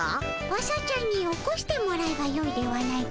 朝ちゃんに起こしてもらえばよいではないかの。